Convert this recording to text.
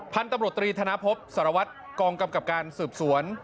พันธุ์ตำรวจตรีธนพบสารวัตรกองกำกับการสืบสวน